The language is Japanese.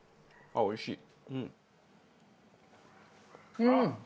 あっおいしい！